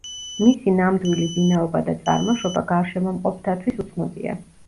მისი ნამდვილი ვინაობა და წარმოშობა გარშემომყოფთათვის უცნობია.